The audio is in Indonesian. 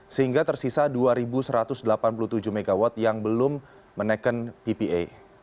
sehingga tersisa dua satu ratus delapan puluh tujuh mw yang belum menaikkan ppa